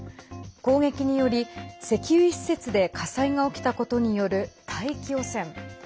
攻撃により石油施設で火災が起きたことによる大気汚染。